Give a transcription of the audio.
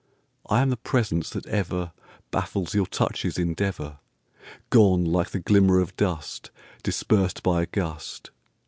I am the presence that everBaffles your touch's endeavor,—Gone like the glimmer of dustDispersed by a gust.